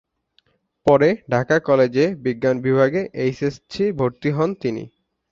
পরে ঢাকা কলেজে বিজ্ঞান বিভাগে এইচএসসি ভর্তি হন তিনি।